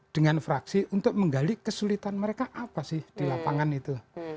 dengan fraksi untuk menggali kesulitan mereka apa sih di lapangan itu